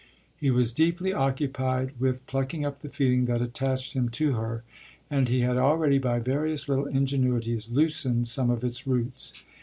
He was deeply occupied with plucking up the feeling that attached him to her, and he had already, by various little ingenuities, loosened some of its roots.